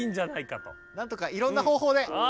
なんとかいろんなほうほうで！